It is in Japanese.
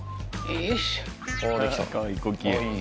よいしょ。